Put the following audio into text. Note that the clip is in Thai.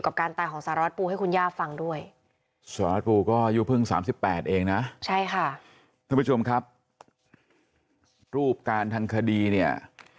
คะทุกผู้ชมครับรูปการทันคดีเนี่ย